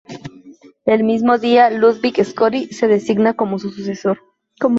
El mismo día, Ludwig Scotty es designado como su sucesor.